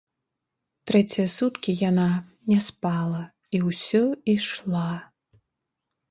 Трэція суткі яна не спала і ўсё ішла.